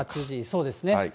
そうですね。